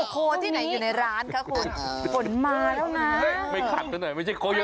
โคที่ไหนอยู่ในร้านคะคุณฝนมาแล้วนะไม่ขัดซะหน่อยไม่ใช่โคโย